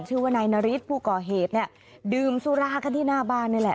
ชื่อว่านายนริษฐ์ภูกรเหตุดื่มสุราคที่หน้าบ้านนี่แหละ